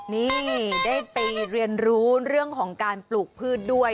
นี่ได้ไปเรียนรู้เรื่องของการปลูกพืชด้วย